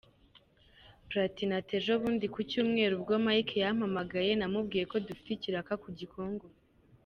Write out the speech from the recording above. Platini ati: “Ejobundi kucyumweru ubwo Mike yampamagaye, namubwiye ko dufite ikiraka ku Gikongoro.